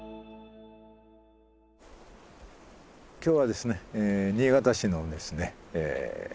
今日はですね新潟市のですね